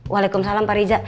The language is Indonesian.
waalaikumsalam pak riza